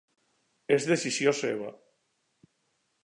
És decisió seva.